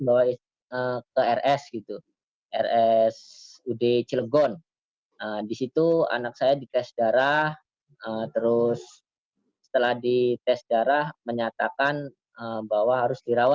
bawa ke rs gitu rs ud cilgon di situ anak saya dikes darah terus setelah dites darah menyatakan bahwa harus dirawat